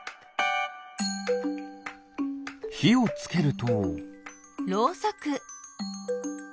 ひをつけると。